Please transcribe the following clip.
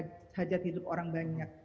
menyangkut hadap hidup orang banyak